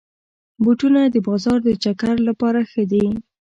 بوټونه د بازار د چکر لپاره ښه دي.